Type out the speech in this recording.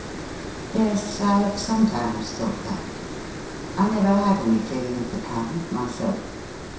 Yes, I have sometimes thought that. I never had any feeling of the kind myself.